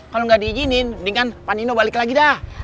kalo gak diijinin mendingan pak nino balik lagi dah